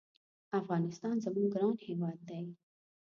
افغانستان زمونږ ګران هېواد دی